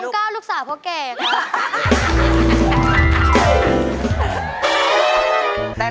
ดวงเก้าลูกสาวพ่อแก่ครับ